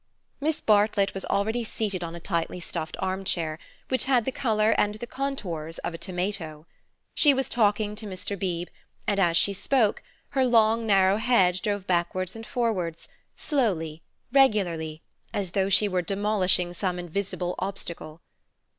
Miss Bartlett was already seated on a tightly stuffed arm chair, which had the colour and the contours of a tomato. She was talking to Mr. Beebe, and as she spoke, her long narrow head drove backwards and forwards, slowly, regularly, as though she were demolishing some invisible obstacle.